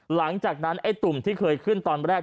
หลังจากนั้นไอ้ตุ่มที่เคยขึ้นตอนแรก